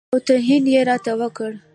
او توهین یې راته وکړ.